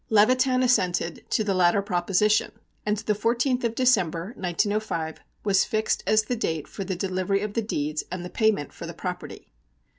Levitan assented to the latter proposition, and the fourteenth of December, 1905, was fixed as the date for the delivery of the deeds and the payment for the property.